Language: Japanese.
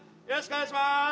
よろしくお願いします。